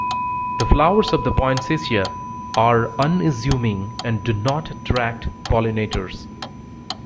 The flowers of the poinsettia are unassuming and do not attract pollinators.